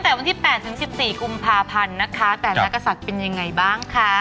สัปดาห์นี้ตั้งแต่วันที่๘๑๔กุมภาพันธ์นะคะแทนแลกศักดิ์เป็นยังไงบ้างคะ